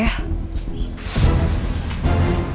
jadi udah dateng